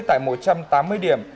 tại một trăm tám mươi điểm